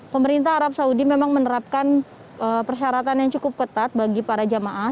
pemerintah arab saudi memang menerapkan persyaratan yang cukup ketat bagi para jamaah